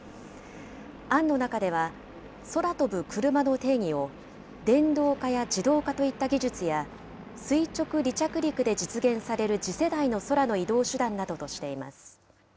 案の中では、空飛ぶクルマの定義を、電動化や自動化といった技術や、垂直離着陸で実現される次世代の空の移動手段などとしています。